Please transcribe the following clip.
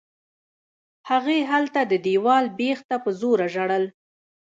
هغې هلته د دېوال بېخ ته په زوره ژړل.